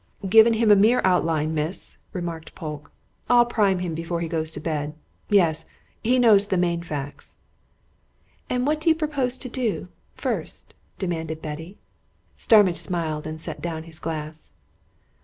"Given him a mere outline, miss," remarked Polke. "I'll prime him before he goes to bed. Yes he knows the main facts." "And what do you propose to do first?" demanded Betty. Starmidge smiled and set down his glass.